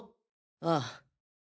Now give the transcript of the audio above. ああ。